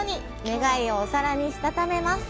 願いをお皿にしたためます。